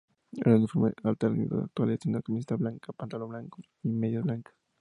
El uniforme alternativo actual es una camiseta blanca, pantalón blanco, y medias blancas.